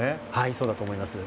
そうだと思います。